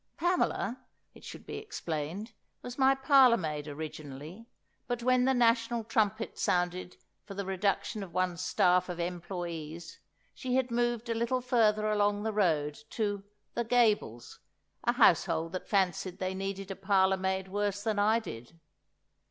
Pamela, it should be explained, was my parlour maid, originally, but when the national trumpet sounded for the reduction of one's staff of employees, she had moved a little further along the road, to "The Gables," a household that fancied they needed a parlour maid worse than I did.